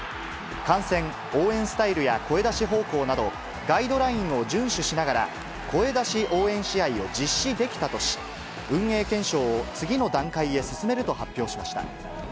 観戦・応援スタイルや声出し方向など、ガイドラインを順守しながら、声出し応援試合を実施できたとし、運営検証を次の段階へ進めると発表しました。